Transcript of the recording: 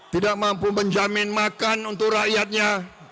tidak mampu menjamin makan untuk rakyatnya